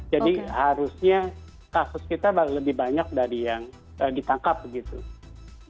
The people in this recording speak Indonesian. jadi harusnya kasus kita lebih banyak dari yang ditangkap begitu